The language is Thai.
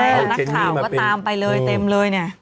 นักข่าวก็ตามไปเลยเต็มเลยเนี่ย